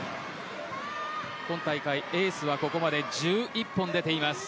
今大会、エースはここまで１１本出ています。